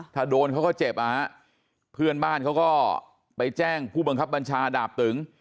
ถ้าโดนเขาก็เจ็บอ่ะฮะเพื่อนบ้านเขาก็ไปแจ้งผู้บังคับบัญชาดาบตึง